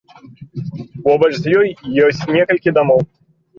Побач з ёй ёсць некалькі дамоў.